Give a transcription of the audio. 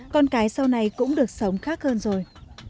con cái sau này cũng được sống khác hơn rồi